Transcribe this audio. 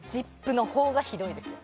「ＺＩＰ！」のほうがひどいですよ。